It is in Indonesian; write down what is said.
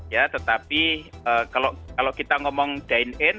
ya tetapi kalau kita ngomong dine in